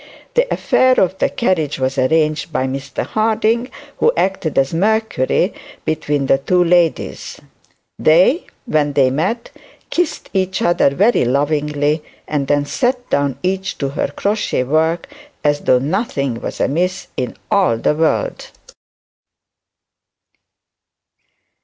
The affair of the carriage was arranged by Mr Harding, who acted as Mercury between the two ladies; they, when they met, kissed each other very lovingly, and then sat down each to her crochet work as though nothing was amiss in all the world.